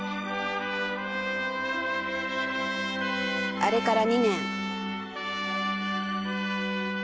「あれから２年。